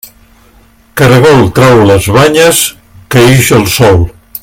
Caragol trau les banyes que ix el sol.